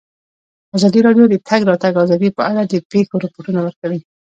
ازادي راډیو د د تګ راتګ ازادي په اړه د پېښو رپوټونه ورکړي.